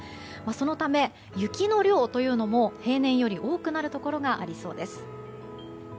そのため、雪の量も平年より多くなるところがありそうです。